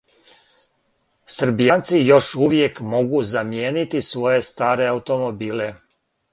Србијанци још увијек могу замијенити своје старе аутомобиле.